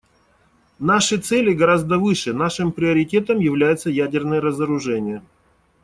Наши цели гораздо выше, нашим приоритетом является ядерное разоружение.